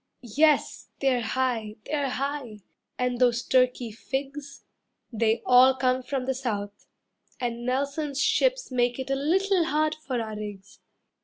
Yes, they're high, they're high, and those Turkey figs, They all come from the South, and Nelson's ships Make it a little hard for our rigs.